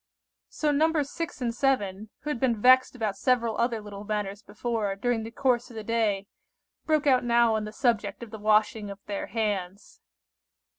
So Nos. 6 and 7, who had been vexed about several other little matters before, during the course of the day, broke out now on the subject of the washing of their hands.